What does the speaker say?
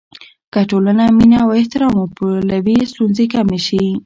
که ټولنه مینه او احترام وپلوي، ستونزې کمې شي.